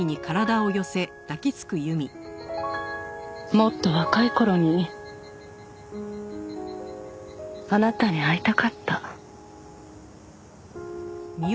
もっと若い頃にあなたに会いたかった。